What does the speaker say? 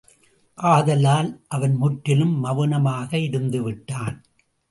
ஆதலால் அவன் முற்றிலும் மெளனமாக இருந்துவிட்டான்.